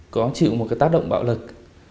có chịu một tác động bạo lực